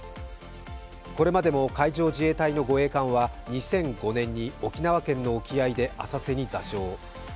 これまでも海上自衛隊の護衛艦は２００５年に沖縄県の沖合で浅瀬に座礁。